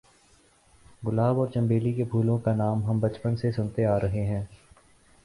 گلاب اور چنبیلی کے پھولوں کا نام ہم بچپن سے سنتے آ رہے ہیں۔